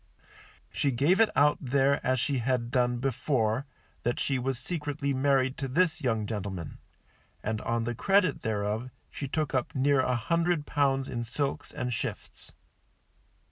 She gave it out there as she had done before, that she was secretly married to this young gentleman; and on the credit thereof she took up near a hundred pounds in silks and shifts.